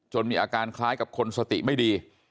มีอาการคล้ายกับคนสติไม่ดี